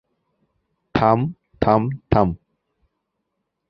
থাম, থাম, থাম।